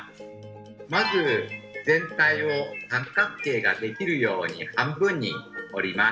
まず全体を三角形ができるように半分に折ります。